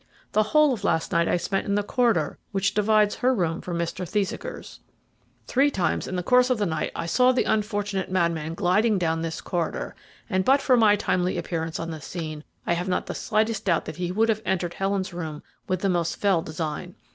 The whole of last night I spent in the corridor which divides her room from Mr. Thesiger's. Three times in the course of the night I saw the unfortunate madman gliding down this corridor, and but for my timely appearance on the scene I have not the slightest doubt that he would have entered Helen's room with the most fell design.